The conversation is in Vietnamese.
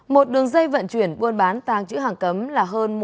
một đường dây vận chuyển buôn bán tàng chữ hàng cấm là hơn